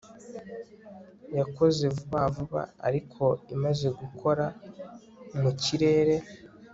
Yakoze vuba vuba ariko imaze gukora mukirere